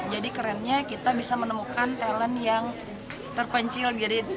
jadi kerennya kita bisa menemukan talent yang terpencil